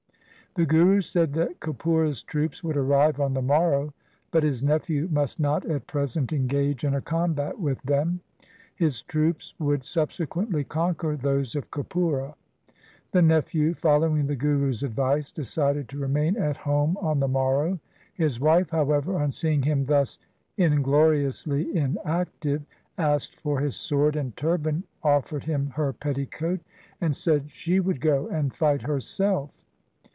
The Guru said that Kapura' s troops would arrive on the morrow, but his nephew must not at present engage in a combat with them. His troops would subsequently conquer those of Kapura. The nephew following the Guru's advice decided to remain at home on the morrow. His wife, however, on seeing him thus ingloriously inactive, asked for his sword and turban, offered him her petticoat, and said she would go and fight herself.